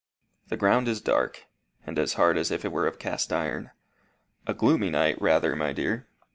The ground is dark, and as hard as if it were of cast iron. A gloomy night rather, my dear.